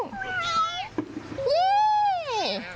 เย่